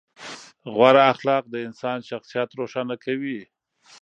غوره اخلاق د انسان شخصیت روښانه کوي.